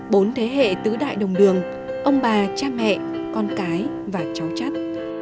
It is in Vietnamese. bốn thế hệ tứ đại đồng đường ông bà cha mẹ con cái và cháu chất